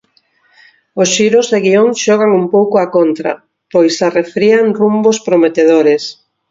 Os xiros de guión xogan un pouco á contra, pois arrefrían rumbos prometedores.